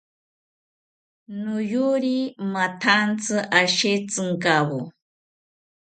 Noyori mathantzi ashetzinkawo